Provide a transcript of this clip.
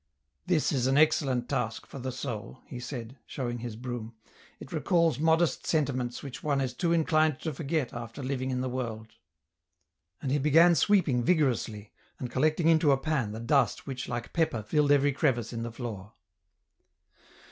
" This is an excellent task for the soul," he said, showing his broom ; "it recalls modest sentiments which one is too inclined to forget after living in the world." And he began sweeping vigorously, and collecting into a pan the dust which like pepper filled every crevice in the floor.